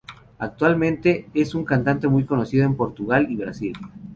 Actualmente, es un cantante muy conocido en Portugal y Brasil.